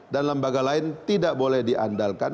dan lembaga lain tidak boleh diandalkan